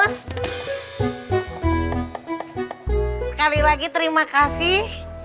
sekali lagi terima kasih